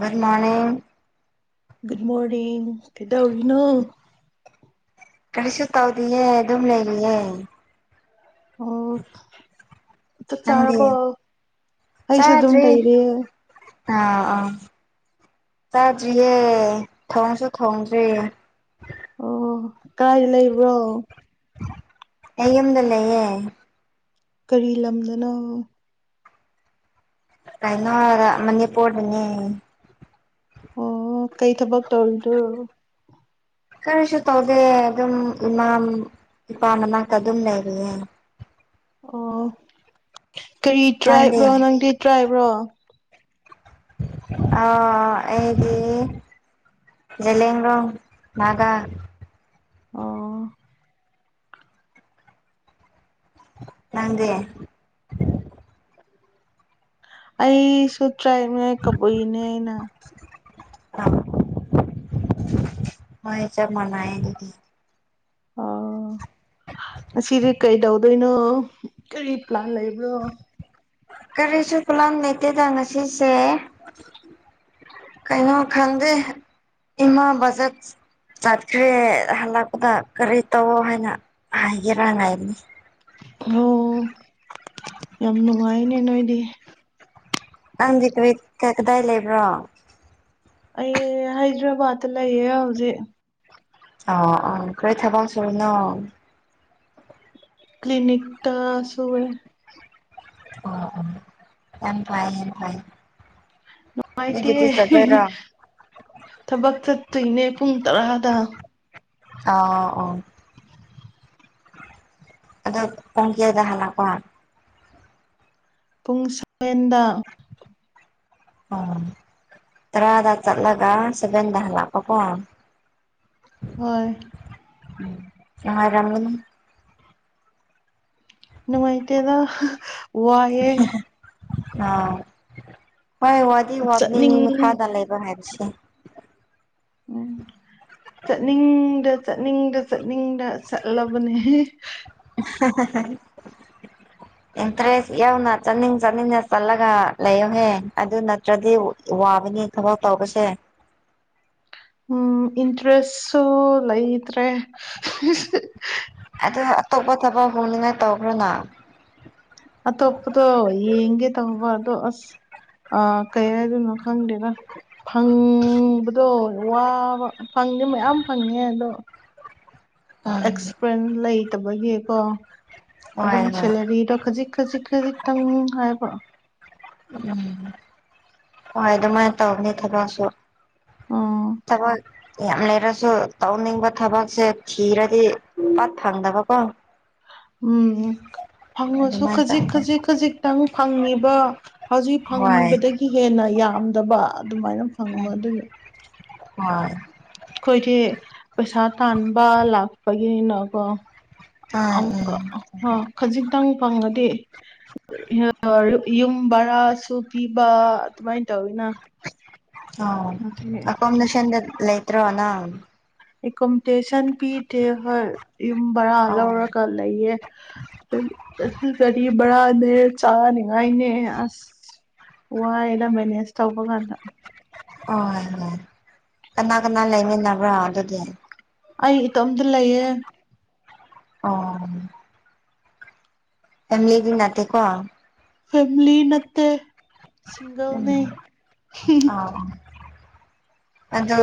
ꯔꯃꯅꯦꯦ good morning ꯀꯗ ꯍꯧꯔꯤꯅꯣ ꯀꯔꯤꯁꯨ ꯇꯧꯗꯤꯌꯦ ꯑꯗꯨꯝ ꯂꯩꯔꯤꯌꯦ ꯑꯣ ꯅꯪꯗꯤ ꯆꯥꯔꯔꯕ ꯑꯩꯁꯨ ꯑꯗꯨꯝ ꯆꯥꯗ꯭ꯔꯤ ꯇꯩꯔꯦ ꯑꯥ ꯑꯥ ꯆꯥꯗ꯭ꯔꯤꯌꯦ ꯊꯣꯡꯁꯨ ꯊꯣꯡꯗ꯭ꯔꯤ ꯑꯣ ꯀꯥꯏ ꯂꯩꯕ꯭ꯔꯣ ꯑꯩ ꯌꯨꯝꯗ ꯂꯩꯌꯦꯦ ꯀꯔꯤ ꯂꯝꯗꯅꯣ ꯀꯩꯅ ꯃꯅꯤꯦ ꯄꯠꯉ ꯑꯣ ꯀꯩ ꯊꯕꯛ ꯇꯧꯔꯤꯗꯨꯣ ꯀꯔꯤꯁꯨ ꯇꯧꯗꯦ ꯑꯗꯨꯝ ꯏꯃꯥ ꯏꯄꯥ ꯃꯅꯥꯛꯇ ꯑꯗꯨꯝ ꯂꯩꯔꯤꯑꯅ ꯑꯣ ꯀꯔꯤ ꯇ꯭ꯔꯥꯏꯕ꯭ꯔꯣ ꯅꯪꯗꯤ ꯇ꯭ꯔꯥꯏꯕ꯭ꯔꯣ ꯑ ꯍꯒꯤ ꯖꯦꯂꯂꯤꯦꯟꯔꯣꯡ ꯒꯥ ꯑꯣ ꯅꯪꯒꯦ ꯑꯩ ꯁ ꯇ꯭ꯔꯥꯏ ꯃ ꯀꯕꯨꯅꯦꯅ ꯃ ꯆ ꯃꯅꯥꯑꯗꯤ ꯑꯣ ꯁꯤꯔꯤ ꯀꯩꯗꯧꯗꯣꯏꯅꯣ ꯀꯔꯤ ꯄ꯭ꯂꯥꯟ ꯂꯩꯕ꯭ꯔꯣ ꯀꯔꯤꯁꯨ ꯀꯂꯥꯝ ꯂꯩꯇꯦꯗ ꯉꯁꯤꯁꯦ ꯀꯩꯅꯣ ꯈꯪꯗꯦ ꯏꯃꯥ ꯕꯖꯠ ꯆꯠꯈ꯭ꯔꯦ ꯍꯜꯂꯛꯄꯗ ꯀꯔꯤ ꯇꯧꯑꯣ ꯍꯥꯏꯅ ꯍꯥꯏꯒꯦꯔ ꯉꯥꯏꯕꯅꯤ ꯑꯣ ꯌꯥꯝ ꯅꯨꯡꯉꯥꯏꯅꯦ ꯅꯣꯏꯗꯤ ꯅꯪꯗꯤ ꯀꯕꯤ ꯀꯗꯥꯏ ꯂꯩꯕ꯭ꯔꯣ ꯑꯩ ꯍꯥꯏꯗ꯭ꯔꯕꯥꯗ ꯂꯩꯌꯦ ꯍꯧꯖꯤꯛ ꯑ ꯑ ꯀ ꯊꯕ ꯆꯔ ꯅ ꯀꯂꯤꯟꯛ ꯇ ꯁꯋꯦ ꯑꯣ ꯑꯣ ꯌꯥꯝ ꯐꯥꯏ ꯌꯥꯝ ꯐꯥꯏ ꯅꯨꯡꯉꯥꯏꯇꯦ ꯊꯕꯛ ꯆꯠꯇꯣꯏꯅꯦ ꯄꯨꯡ ꯇꯔꯥꯗ ꯑꯥ ꯑꯥ ꯑꯗ ꯄꯨꯡꯀꯌꯥꯗ ꯍꯂꯀ ꯄꯨꯡ ꯁꯕꯦꯟꯗ ꯑꯥ ꯇꯔꯥꯗꯥ ꯆꯠ ꯂꯥꯛꯒ ꯁꯕꯦꯟꯗ ꯍꯂ ꯀꯀ ꯍꯣꯏ ꯝ ꯑꯅꯨꯡꯉꯔꯝꯒ ꯅꯃꯥꯏꯇꯗ ꯋꯥꯌꯦ ꯑ ꯍꯣꯏ ꯋꯥꯗꯤ ꯆꯠꯅꯤꯡ ꯋꯥꯕꯅꯤ ꯃꯈꯥꯗ ꯂꯩꯕ ꯍꯥꯏꯕꯁꯤ ꯎ ꯎꯝ ꯆꯠꯅꯤꯡꯗ ꯆꯠꯅꯤꯡꯗ ꯆꯠꯅꯤꯡꯗ ꯆꯠꯂꯕꯅꯦ ꯍꯝ ꯍꯝ ꯏꯟꯇꯔꯦꯁ ꯌꯥꯎꯅ ꯆꯥꯅꯤꯡ ꯆꯥꯅꯤꯡꯅ ꯆꯠꯂꯒ ꯂꯩꯌꯨꯍꯦ ꯑꯗꯨ ꯅꯠꯇ꯭ꯔꯗꯤ ꯋꯥꯕꯅꯤ ꯊꯕꯛ ꯇꯧꯕꯁꯦ ꯍ ꯎꯝ ꯏꯟꯇꯔꯦꯁꯁꯨ ꯂꯩꯇ꯭ꯔꯦ ꯑ ꯑꯇꯣꯞꯄ ꯊꯕꯛ ꯍꯣꯡꯅꯤꯡꯉꯥꯏ ꯇꯧꯈ꯭ꯔꯅ ꯑꯇꯣꯞꯄꯗꯣ ꯌꯦꯡꯒꯦ ꯇꯧꯕ ꯑꯗꯣ ꯑꯁ ꯑ ꯀꯩ ꯍꯥꯏꯗꯣꯏꯅꯣ ꯈꯪꯗꯦꯅ ꯐꯪꯕꯗꯣ ꯋꯥꯕ ꯐꯪꯗꯦ ꯃꯌꯥꯝ ꯐꯪꯉꯦ ꯑꯗꯣ ꯎꯝ ꯑꯦꯛꯁꯄ꯭ꯔꯦꯟꯁ ꯂꯩꯇꯕꯒꯤꯀꯣ ꯍꯣꯏ ꯑꯗꯨꯝ ꯍꯣꯏ ꯁꯦꯂꯔꯤꯗꯣ ꯈꯖꯤꯛ ꯈꯖꯤꯛ ꯈꯖꯤꯛꯇꯪ ꯍꯥꯏꯕ ꯎꯝ ꯍꯣꯏ ꯑꯗꯨꯃꯥꯏꯅ ꯇꯧꯅꯤ ꯊꯕꯛꯁꯨ ꯎꯝ ꯇꯃꯣ ꯌꯥꯝ ꯂꯩꯔꯁꯨ ꯇꯧꯅꯤꯡꯕ ꯊꯕꯛꯁꯦ ꯊꯤꯔꯗꯤ ꯄꯠ ꯐꯪꯗꯕꯀꯣ ꯎꯝ ꯐꯪꯉꯁꯨ ꯑꯗꯨꯃꯥꯏꯅ ꯇꯧ ꯈꯖꯤꯛ ꯈꯖꯤꯛ ꯈꯖꯤꯛꯇꯪ ꯐꯪꯉꯤꯕ ꯍꯧꯖꯤꯛ ꯍꯣꯏ ꯐꯪꯉꯤꯕꯗꯒꯤ ꯍꯦꯟꯅ ꯌꯥꯝꯗꯕ ꯑꯗꯨꯃꯥꯏꯅ ꯐꯪꯕ ꯑꯗꯨꯒꯤ ꯑ ꯑꯩꯈꯣꯏꯗꯤ ꯄꯩꯁꯥ ꯇꯥꯟꯕ ꯂꯥꯛꯄꯒꯤꯅꯤꯅꯀꯣ ꯑꯥ ꯎꯝ ꯑ ꯈꯖꯤꯛꯇꯪ ꯐꯪꯉꯗꯤ ꯌꯨꯝ ꯕꯔꯥꯁꯨ ꯄꯤꯕ ꯑꯗꯨꯃꯥꯏꯅ ꯇꯧꯋꯅ ꯑꯣ ꯑꯀꯣꯃꯤꯗꯦꯁꯟꯗ ꯂꯩ ꯂꯩꯇ꯭ꯔꯣꯅꯥ ꯑꯦꯣꯗꯦꯁꯟ ꯄꯤꯗꯦ ꯍꯣꯏ ꯌꯨꯝ ꯕꯔꯥ ꯑꯣ ꯂꯧꯔꯒ ꯂꯩꯌꯦ ꯀꯔꯤ ꯕꯔꯥꯅꯦ ꯆꯥꯅꯤꯡꯉꯥꯏꯅꯦ ꯑꯁ ꯋꯥꯏꯅ ꯃꯦꯅꯦꯖ ꯇꯧꯕ ꯀꯥꯟꯗ ꯍ ꯍꯣꯏ ꯀꯅꯥ ꯀꯅꯥ ꯂꯩꯃꯤ ꯅꯕ꯭ꯔꯥ ꯑꯗꯨꯗꯤ ꯑꯩ ꯏꯇꯣꯝꯇ ꯂꯩꯌꯦꯦ ꯑꯣ ꯐꯃꯤꯂꯤꯗꯤ ꯅꯅꯥꯇꯦꯀꯣ ꯐꯦꯂꯤ ꯅꯠꯇ ꯁꯤꯁꯤꯡꯒꯜ ꯎꯝ ꯑꯗ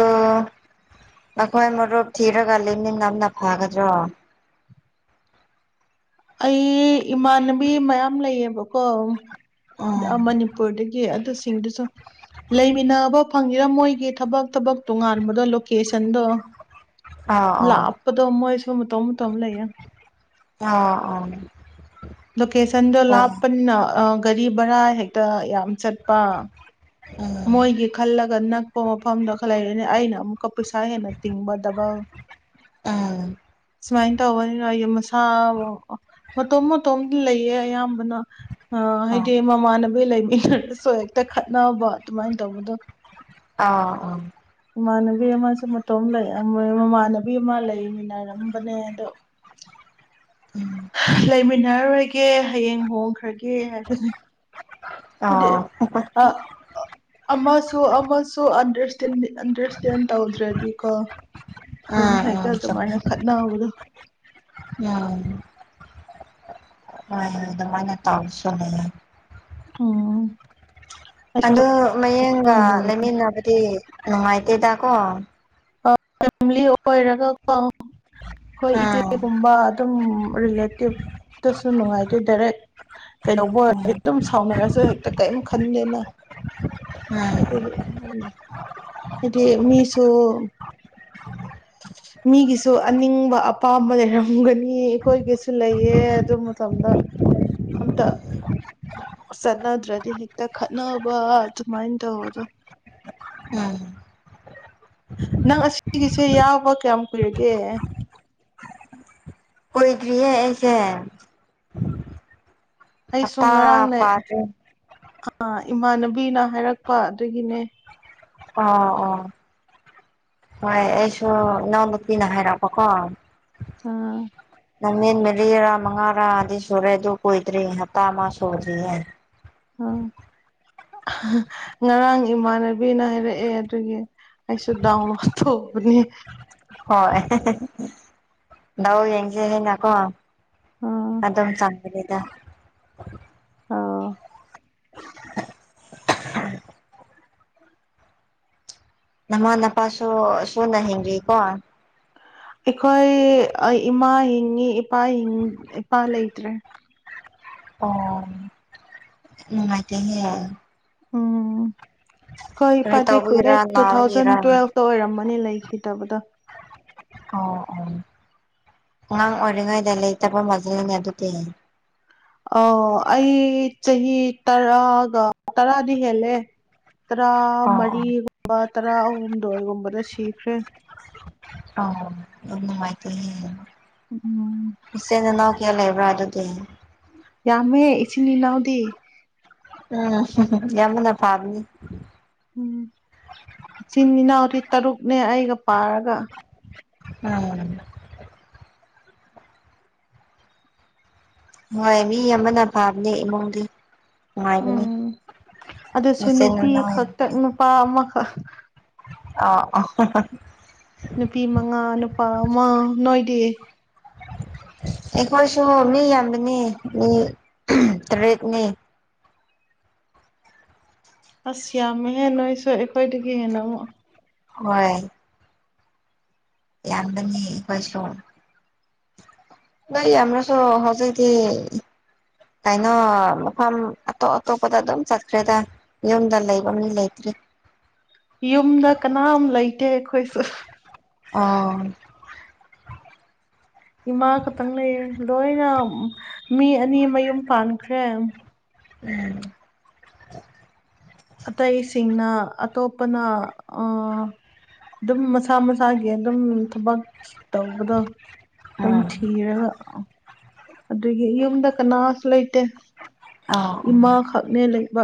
ꯅꯈꯣꯏ ꯃꯔꯨꯞ ꯊꯤꯔꯒ ꯂꯩꯃꯤꯟ ꯅꯝꯅ ꯐꯒꯗ꯭ꯔꯣ ꯑꯩ ꯏꯃꯥꯟꯅꯕꯤ ꯃꯌꯥꯝ ꯂꯩꯌꯦꯕꯀꯣ ꯎꯝ ꯃꯅꯤꯄꯨꯔꯗꯒꯤ ꯑꯗꯨꯁꯤꯡꯗꯨꯁꯨ ꯂꯩꯃꯤꯟꯅꯕ ꯐꯪꯅꯤꯤꯔꯥ ꯃꯣꯏꯒꯤ ꯊꯕꯛ ꯊꯕꯛ ꯇꯣꯉꯥꯟꯕꯗꯣ ꯂꯣꯀꯦꯁꯟꯗꯣ ꯑꯥꯎ ꯂ ꯑꯥꯎ ꯑꯄ ꯇꯃꯁꯨ ꯃ ꯇꯧ ꯃ ꯇꯧꯝ ꯂꯩꯌꯦ ꯑꯥ ꯑ ꯂꯣꯀꯦꯁꯟꯗꯣ ꯂꯥꯞꯄꯅ ꯒꯥꯔꯤ ꯚꯔꯥ ꯍꯦꯛꯇ ꯌꯥꯝ ꯆꯠꯄ ꯎꯝ ꯃꯣꯏꯒꯤ ꯈꯜꯂꯒꯅ ꯑꯄ ꯃꯐꯝꯗ ꯈꯔ ꯂꯩꯔꯦꯅꯦ ꯑꯩꯅ ꯑꯃꯨꯛꯀ ꯄꯩꯁꯥ ꯍꯦꯟꯅ ꯇꯤꯡꯕꯗꯕ ꯑꯥ ꯁꯨꯃꯥꯏꯅ ꯇꯧꯕꯅꯤꯅ ꯑꯩ ꯃꯁꯥ ꯃꯇꯣꯝ ꯃꯇꯣꯝ ꯂꯩꯌꯦ ꯑꯌꯥꯝꯕꯅ ꯑ ꯑꯥꯎ ꯍꯥꯏꯗꯤ ꯃꯃꯥꯟꯅꯕꯤ ꯂꯩꯃꯤꯟꯅꯔꯁꯨ ꯍꯦꯛꯇ ꯈꯠꯅꯕ ꯑꯗꯨꯃꯥꯏꯅ ꯇꯧꯕꯗꯣ ꯑꯥ ꯑ ꯏꯃꯥꯟꯅꯕꯤ ꯑꯃꯁꯨ ꯃꯇꯣꯝ ꯂꯩ ꯃꯃꯥꯟꯅꯕꯤ ꯑꯃ ꯂꯩ ꯃꯤꯅꯥꯔꯝꯕꯅꯦ ꯑꯗꯣ [unintelligible] ꯎꯝ ꯂꯩꯃꯤꯟꯅꯔꯣꯏꯒꯦ ꯍꯌꯦꯡ ꯍꯣꯡꯈ꯭ꯔꯒꯦ ꯍꯥꯏꯕꯅꯤ ꯑ ꯎ ꯑꯃꯁꯨ ꯑꯃꯁꯨꯟꯗꯇ ꯑꯟꯗꯔꯁꯇꯦꯟ ꯇꯧꯗ꯭ꯔꯗꯤꯀꯣ ꯑꯗꯨꯝ ꯎꯝ ꯍꯥꯏꯛꯇꯠ ꯎꯝ ꯆꯨꯝꯃꯦ ꯑꯗꯨꯃꯥꯏꯅ ꯈꯠꯅꯕꯗꯣ ꯎꯝ ꯑ ꯑꯗꯨ ꯃꯥꯅ ꯇꯥꯥꯎꯁꯦ ꯑꯥ ꯑꯗꯨ ꯃꯌꯦꯡꯒ ꯂꯩꯃꯤꯟꯅꯕꯗꯤ ꯅꯨꯡꯉꯥꯏꯇꯦꯗꯀꯣ ꯐꯦꯂꯤ ꯑꯣꯏꯔꯒꯀꯣ ꯑꯩꯈꯣꯏ ꯎꯝ ꯏꯆꯦꯒꯨꯝꯕ ꯑꯗꯨꯝ ꯔꯤꯂꯦꯇꯤꯇꯁꯨ ꯅꯨꯡꯉꯥꯏꯇꯦ ꯗꯥꯏꯔꯦꯛ ꯀꯩꯗꯧꯕ ꯑꯣꯏꯔ ꯎꯝ ꯑꯗꯨꯝ ꯁꯔ ꯍꯦꯛꯇ ꯀꯔꯤꯝ ꯈꯟꯗꯦꯅ ꯎꯝ ꯑꯗꯨ ꯍꯥꯏꯗꯤ ꯃꯤꯁꯣ ꯃꯤꯒꯤꯁꯨ ꯑꯅꯤꯡꯕ ꯑꯄꯥꯝꯕ ꯂꯩꯔꯝꯒꯅꯤ ꯑꯩꯈꯣꯏꯒꯤꯁꯨ ꯂꯩꯌꯦ ꯑꯗꯨ ꯃꯇꯝꯗ ꯑꯇ ꯆꯠꯅꯗ꯭ꯔꯗꯤ ꯍꯦꯛꯇ ꯈꯠꯅꯕ ꯑꯗꯨꯃꯥꯏꯅ ꯇꯧꯕꯗ ꯎꯝ ꯅꯪ ꯑꯁꯤꯒꯤꯁꯦ ꯌꯥꯎꯕ ꯀꯌꯥꯝ ꯀꯨꯏꯔꯒꯦ ꯃꯣꯏꯗ꯭ꯔꯤꯌꯦꯁꯦ ꯑꯩ ꯁꯨꯝ ꯉꯔꯥꯡꯅꯦ ꯐꯥꯗ꯭ꯔꯤ ꯑ ꯏꯃꯥꯟꯅꯕꯤꯅ ꯍꯥꯏꯔꯛꯄ ꯑꯗꯨꯒꯤꯅꯦ ꯑꯣ ꯑꯣ ꯍꯣꯏ ꯑꯩꯁꯨ ꯅꯣꯡꯃꯇꯅ ꯍꯥꯏꯔꯛꯔꯕ ꯀꯣ ꯑꯥ ꯅꯪꯟ ꯃꯦꯂꯤꯔꯥ ꯃꯉꯥꯔꯥ ꯑꯗꯨꯗꯤ ꯁꯨꯔꯦ ꯑꯗꯨ ꯀꯣꯏꯗ꯭ꯔꯤ ꯍꯇꯥ ꯑꯃ ꯁꯨꯗ꯭ꯔꯤꯌꯦꯦ ꯎꯝ ꯉꯔꯥꯡ ꯏꯃꯥꯟꯅꯕꯤꯅ ꯍꯥꯏꯔꯛꯑꯦ ꯑꯗꯨꯒꯤ ꯑꯩꯁꯨꯗ ꯇꯅꯤ ꯍꯣꯏ ꯂꯎ ꯌꯦꯡꯁꯦ ꯍꯥꯏꯅꯀꯣ ꯑꯥ ꯑꯗꯝ ꯆꯥꯟꯕꯤꯔꯗ ꯑꯥ ꯅꯃꯥꯟ ꯅꯄꯥꯁꯨꯣ ꯁꯨꯅ ꯍꯤꯡꯔꯤꯀꯣ ꯑꯩꯈꯣꯏ ꯏꯃꯥ ꯍꯤꯡꯉꯤ ꯏꯄꯥ ꯏꯄꯥ ꯂꯩꯇ꯭ꯔꯦ ꯑꯣ ꯎꯉꯥꯏꯇ ꯎꯝ ꯑꯩꯣꯏ ꯏ ꯀꯔꯤ ꯄꯥꯗꯦ ꯀꯨꯏꯔꯦ ꯇꯧꯕꯒꯤꯔꯥ ꯇꯨ ꯊꯥꯎꯖꯟ ꯅꯥꯕꯒꯤꯔꯥ ꯇꯨꯋꯦꯜꯐꯇ ꯑꯣꯏꯔꯝꯃꯅꯤ ꯂꯩꯈꯤꯗꯦ ꯇꯕꯗ ꯑꯣ ꯑꯣ ꯑꯉꯥꯡ ꯑꯣꯏꯔꯤꯉꯩꯗ ꯂꯩꯇꯕ ꯃꯖꯤꯜꯅꯦ ꯑꯗꯨꯗꯤ ꯑ ꯑꯩ ꯆꯍꯤ ꯇꯔꯥꯒ ꯇꯔꯥꯗꯤ ꯍꯦꯜꯂꯦ ꯇꯔꯥ ꯑꯣ ꯑꯣ ꯃꯔꯤꯒꯨꯝꯕ ꯇꯔꯥ ꯑꯍꯨꯝꯗꯣꯏꯒꯨꯝꯕꯗ ꯁꯤꯈ꯭ꯔꯦ ꯑ ꯑꯗꯨꯅꯨꯡꯉꯥꯏꯇ ꯎꯝ ꯀꯌꯥ ꯂꯩꯕ꯭ꯔꯥ ꯑꯗꯨꯗꯤ ꯌꯥꯝꯃꯦ ꯏꯆꯤꯟ ꯏꯅꯥꯎꯗꯤ ꯎꯝ ꯌꯥꯝꯃꯅ ꯐꯥꯕꯅꯤ ꯎꯝ ꯏꯆꯤꯟ ꯏꯅꯥꯎꯗꯤ ꯇꯔꯨꯛꯅꯦ ꯑꯩꯒ ꯄꯥꯔꯒ ꯎꯝ ꯍꯣꯏ ꯃꯤ ꯑꯃꯅ ꯑꯚꯥꯕꯅꯦ ꯏꯃꯨꯡꯗꯤ ꯅꯨꯡꯉꯥꯏꯕꯅꯤ ꯎꯝ ꯑꯗꯨꯁꯨ ꯃꯆꯤꯟ ꯅꯨꯄꯤ ꯃꯅꯥꯎ ꯈꯛꯇꯛ ꯅꯨꯄꯥ ꯑꯃꯈꯛ ꯑ ꯑ ꯅꯨꯄꯤ ꯃꯉꯥ ꯅꯨꯄꯥ ꯑꯃ ꯅꯣꯏꯗꯤ ꯑꯦ ꯃ ꯁ ꯃꯤ ꯌꯥꯝꯕꯅꯤ ꯃꯤ ꯇꯔꯦꯠꯅꯤ ꯑꯁꯤ ꯌꯥꯝ ꯃ ꯍꯦꯦꯟꯟꯅꯣꯏꯁ ꯑꯩꯈꯣꯏꯗꯒꯤ ꯍꯦꯟꯅ ꯑꯃ ꯍꯣꯏ ꯌꯥꯟꯗꯅꯤ ꯀꯋꯥꯁ ꯩ ꯌꯥꯝꯔꯁꯨꯣ ꯍꯖꯤꯩꯗꯤ ꯀꯩꯅꯣ ꯃꯐꯝ ꯑꯇꯣꯞ ꯑꯇꯣꯞꯄꯗ ꯑꯗꯨꯝ ꯆꯠꯈ꯭ꯔꯦꯗ ꯌꯨꯝꯗ ꯂꯩꯕ ꯃꯤ ꯂꯩꯇ꯭ꯔꯤ ꯌꯨꯝꯗ ꯀꯅꯥꯝ ꯂꯩꯇꯦ ꯑꯩꯈꯣꯏꯁꯨ ꯑ ꯏꯃꯥ ꯈꯛꯇꯪ ꯂꯩꯌꯦ ꯂꯣꯏꯅ ꯃꯤ ꯑꯅꯤ ꯃꯌꯨꯝ ꯄꯥꯟꯈ꯭ꯔꯦ ꯎꯝ ꯑꯇꯩꯁꯤꯡꯅ ꯑꯇꯣꯞꯄꯅ ꯑꯗꯨꯝ ꯃꯁꯥ ꯃꯁꯥꯒꯤ ꯑꯗꯨꯝ ꯊꯕꯛ ꯇꯧꯕꯗꯣ ꯑꯗꯨꯝ ꯑꯥ ꯊꯤꯔꯒ ꯑꯗꯨꯗꯒꯤ ꯌꯨꯝꯗ ꯀꯅꯥꯁꯨ ꯂꯩꯇꯦ ꯑꯥ ꯎꯝ ꯏꯃꯥ ꯈꯛꯅꯦ ꯂꯩꯕ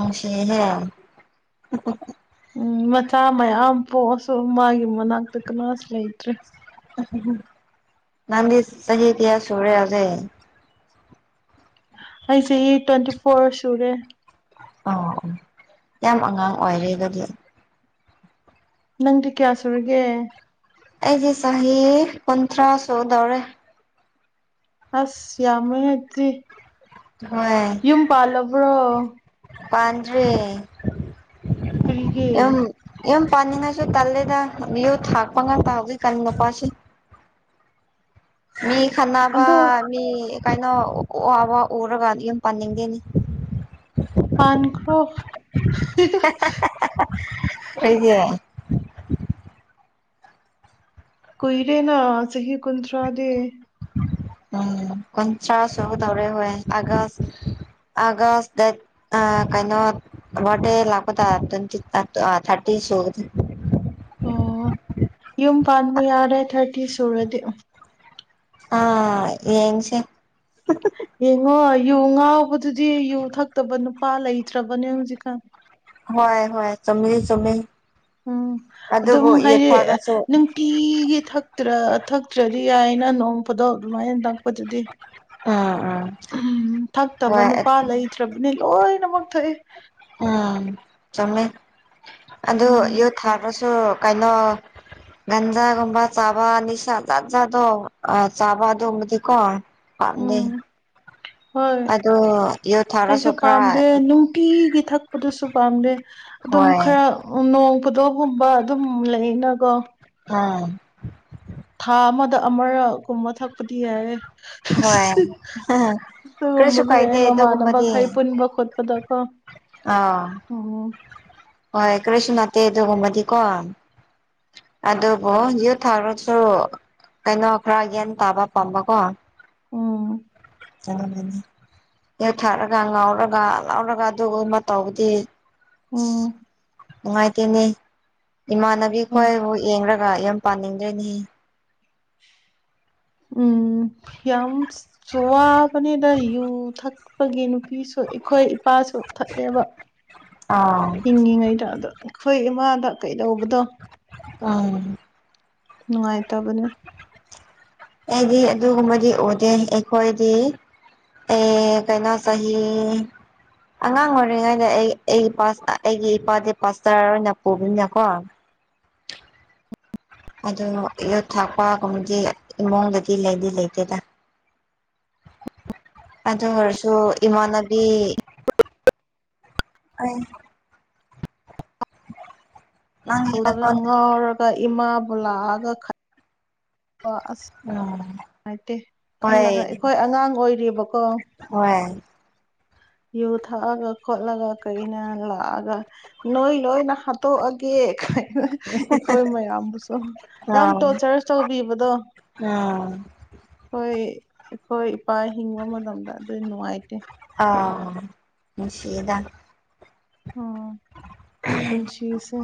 ꯑ ꯁꯤꯦ ꯍꯥꯏꯦ ꯎ ꯃꯆꯥ ꯃꯌꯥꯝ ꯄꯣꯛꯑꯁꯨ ꯃꯥꯒꯤ ꯃꯅꯥꯛꯇ ꯀꯅꯥꯁꯨ ꯂꯩꯇ꯭ꯔꯦ ꯅꯥꯟꯗꯤ ꯆꯍꯤꯌꯥ ꯁꯣꯨꯔꯦ ꯑꯁꯦ ꯑꯩꯁꯦ ꯇ꯭ꯋꯦꯟꯇꯤ ꯐꯣꯔ ꯁꯨꯔꯦ ꯑꯣ ꯑꯣ ꯌꯥꯝ ꯑꯉꯥꯡ ꯑꯣꯏꯔꯦ ꯑꯗꯨꯗꯤ ꯅꯪ ꯇ ꯀꯌꯥ ꯁꯔꯒꯦ ꯑꯩꯗꯤꯦ ꯆꯍꯤ ꯆꯍꯤ ꯄꯟꯊ꯭ꯔꯥ ꯆꯧꯗꯔ ꯑꯁ ꯌꯥꯝꯃ ꯍꯥꯏꯗꯤ ꯍꯣꯏ ꯌꯨꯝ ꯄꯥꯜꯂꯕ꯭ꯔꯣ ꯄꯥꯟꯗꯦ ꯀꯔꯤꯒꯦ ꯌꯨꯝ ꯄꯥꯅꯤꯡꯉꯥꯏꯁꯨ ꯇꯜꯂꯦꯗ ꯌꯨ ꯊꯥꯛꯄ ꯉꯥꯛ ꯇꯍꯧꯗ ꯀꯅꯤ ꯅꯨꯄꯥꯁꯤꯦ ꯃꯤ ꯈꯅꯥ ꯄ ꯑꯗꯣ ꯃꯤ ꯀꯥꯏꯅ ꯑ ꯋꯥ ꯎꯔꯒ ꯌ ꯄꯥꯅꯤꯡꯗꯦꯅꯤ ꯄꯥꯟꯈ꯭ꯔꯣ ꯑꯩꯒꯤ ꯀꯏꯔꯦꯅ ꯆꯍꯤꯍꯤ ꯀꯨꯟꯊ꯭ꯔꯥꯗꯦ ꯎꯝ ꯀꯟ ꯆꯁꯨ ꯇꯧꯔꯦ ꯍ ꯑꯒꯁ ꯒ ꯗ ꯀꯅꯣꯦ ꯂꯥꯛ ꯇꯋ ꯊꯔꯤ ꯁꯣꯗ ꯑꯣ ꯌꯨꯝ ꯄꯥꯟꯕ ꯌꯥꯔꯦ ꯊꯥꯔꯇꯤ ꯁꯨꯔꯗꯤ ꯑꯥ ꯌꯦꯡꯁꯤꯦ ꯌꯦꯉꯣ ꯌꯨ ꯉꯥꯎꯕꯗꯨꯗꯤ ꯌꯨ ꯊꯛꯇꯕ ꯅꯨꯄꯥ ꯂꯩꯇ꯭ꯔꯕꯅꯦ ꯍꯧꯖꯤꯛꯀꯥꯟ ꯍꯣꯏ ꯍꯣꯏ ꯆꯅꯤ ꯆ ꯎꯝ ꯑꯗꯨꯝ ꯍꯥꯏꯗꯤ ꯊꯛꯑꯁꯨ ꯅꯨꯡꯇꯤꯒꯤ ꯊꯛꯇ꯭ꯔ ꯊꯛꯇ꯭ꯔꯗꯤ ꯌꯥꯏꯅ ꯅꯣꯡ ꯄꯗꯣ ꯑꯗꯨꯃꯥꯏꯅ ꯇꯪ ꯑꯗꯨꯗꯤ ꯎꯝ ꯎꯝ ꯎꯝ ꯊꯛꯇꯕ ꯍꯣꯏ ꯅꯨꯄꯥ ꯂꯩꯇ꯭ꯔꯕꯅꯤ ꯂꯣꯏ ꯅꯃꯛ ꯊꯏ ꯎꯝ ꯆꯃꯦ ꯑꯗꯣ ꯎꯝ ꯌꯨ ꯊꯛꯔ ꯁꯣ ꯀꯥꯏꯅ ꯒꯟꯖꯒꯝꯕ ꯆꯥꯕꯅꯤꯁꯥꯖꯥꯠꯖꯥ ꯗꯣ ꯑ ꯆꯥꯕ ꯑꯗꯨꯝꯕꯗꯤꯀꯣ ꯄꯝꯗꯦ ꯎꯝ ꯍꯣꯏ ꯑꯗꯣ ꯌꯨ ꯊꯥ ꯑꯩꯁꯨ ꯄꯥꯝꯗꯦ ꯅꯨꯡꯇꯤꯒꯤ ꯊꯛꯄꯗꯨꯁꯨ ꯄꯥꯝꯗꯦ ꯑꯗꯨꯝ ꯍꯣꯏ ꯈꯔ ꯅꯣꯡ ꯈꯨꯗꯣꯒꯨꯝꯕ ꯑꯗꯨꯝ ꯂꯩꯅꯀꯣ ꯑꯥ ꯊꯥ ꯑꯃꯗ ꯑꯃꯔꯒꯨꯝꯕ ꯊꯛꯄꯗꯤ ꯌꯥꯑꯦ ꯍꯣꯏ ꯀꯔꯤꯁꯨ ꯑꯗꯨꯒꯨꯝꯕꯗꯨ ꯌꯥꯏ ꯀꯥꯏꯗꯦ ꯃꯃꯥꯟꯅꯕ ꯃꯈꯩ ꯄꯨꯟꯕ ꯈꯣꯠꯄꯗ ꯑ ꯍ ꯍꯣꯏ ꯀꯔꯁꯨ ꯅꯠꯇꯦ ꯑꯗꯨꯒꯨꯝꯃꯗꯤ ꯀꯣ ꯑꯗꯨꯕꯨ ꯌꯨ ꯊꯥꯛꯔꯁꯨ ꯀꯩꯅꯣ ꯈꯔ ꯒ꯭ꯌꯥꯟ ꯇꯥꯕ ꯄꯥꯝꯕ ꯀꯣ ꯎꯝ ꯅꯤ ꯌꯨꯊꯛꯔꯒ ꯉꯥꯎꯔꯒ ꯂꯥꯎꯔꯒ ꯑꯗꯨꯒꯝ ꯃꯇꯧꯕꯗꯤ ꯎꯝ ꯅꯨꯡꯉꯥꯏꯇꯦꯅꯦ ꯏꯃꯥꯟꯅꯕꯤ ꯍꯣꯏ ꯈꯣꯏꯕꯨ ꯌꯦꯡꯒ ꯈ ꯌꯨꯝ ꯄꯥꯅꯤꯡꯗ꯭ꯔꯦꯅꯤ [inaudible] ꯎꯝ ꯌꯥꯝꯋꯥꯕꯅꯤꯗ ꯌꯨ ꯊꯛꯄꯒꯤ ꯅꯨꯄꯤ ꯄꯤꯁꯨ ꯑꯩꯈꯣꯏ ꯏꯄꯥꯁꯨ ꯊꯛꯑꯦꯕ ꯑꯥ ꯍꯤꯡꯉꯤꯉꯩꯗ ꯑꯗꯣ ꯑꯩꯈꯣꯏ ꯏꯃꯥꯗ ꯀꯩꯗꯧꯕꯗꯣ ꯀꯪ ꯅꯨꯡꯉꯥꯏꯇꯕꯅꯦ ꯑꯩꯗꯤ ꯑꯗꯨꯒꯨꯝꯕꯗꯤ ꯑꯣꯏꯗꯦ ꯑꯩꯈꯣꯏꯗꯤ ꯑꯦ ꯀꯅꯣ ꯆꯍꯤ ꯑꯉꯥꯡ ꯑꯣꯏꯔꯤꯉꯩꯗ ꯑꯩ ꯑꯩꯒꯤ ꯑꯩꯒꯤ ꯏꯄꯥꯗꯤ ꯄꯥꯁꯇꯔ ꯑꯣꯏꯅ ꯄꯨꯕꯅꯤꯅꯀꯣ [inaudible] ꯑꯗꯨ ꯌꯨꯠ ꯊꯥꯛꯄꯒꯨꯝꯕꯗꯤ ꯏꯃꯨꯡꯗꯗꯤ ꯂꯩꯗꯤ ꯂꯩꯇꯦꯗ ꯄꯥꯟꯇꯤꯡ ꯑꯣꯏꯔꯁꯨ ꯏꯃꯥꯅꯕꯤ ꯑꯩ ꯅꯪꯂ ꯀꯣꯜ ꯀ ꯏꯃꯥꯕꯨ ꯂꯥꯛꯑꯒ ꯑꯣ ꯑꯁ ꯎꯝ ꯅꯨꯡꯉꯥꯏꯇꯦ ꯍꯣꯏ ꯈꯜꯂꯒ ꯑꯩꯈꯣꯏ ꯑꯉꯥꯡ ꯑꯣꯏꯔꯤꯕꯀꯣ ꯍꯣꯏ ꯌꯨ ꯊꯛꯑꯒ ꯈꯣꯠꯂꯒ ꯀꯩꯅ ꯂꯥꯛꯑꯒ ꯅꯣꯏ ꯂꯣꯏꯅ ꯍꯥꯠꯇꯣꯛꯑꯒꯦ ꯑꯩꯈꯣꯏ ꯃꯌꯥꯝꯕꯨꯁꯨ ꯌꯥꯝ ꯑꯥ ꯇꯣꯔꯆꯔ ꯇꯧꯕꯤꯕꯗꯣ ꯎꯝ ꯍꯣꯏ ꯑꯩꯈꯣꯏ ꯏꯄꯥ ꯍꯤꯡꯕ ꯃꯇꯝꯗ ꯑꯗꯨꯏ ꯅꯨꯡꯉꯥꯏꯇꯦ ꯑ ꯅꯨꯁꯤꯗ ꯎꯝ ꯄꯨꯟꯁꯤꯁꯦ